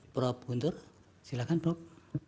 prof guntur silakan prof